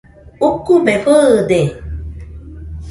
Ukube fɨɨde.